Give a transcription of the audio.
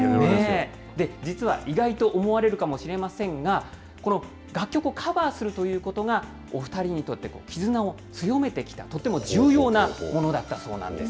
実は意外と思われるかもしれませんが、この楽曲をカバーするということが、お２人にとって絆を強めてきた、とても重要なものだったそうなんです。